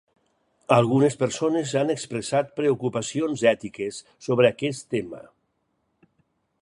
Algunes persones han expressat preocupacions ètiques sobre aquest tema.